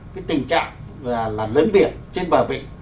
cái tình trạng là lớn biển trên bờ vịnh